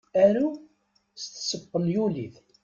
Aru s tespenyulit.